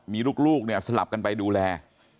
มีลูกเนี่ยสลับกันไปดูแล